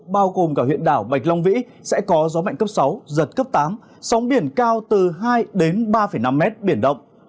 bao gồm cả huyện đảo bạch long vĩ sẽ có gió mạnh cấp sáu giật cấp tám sóng biển cao từ hai đến ba năm mét biển động